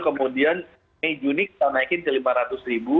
kemudian mei juni kita naikin ke lima ratus ribu